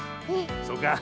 そうか。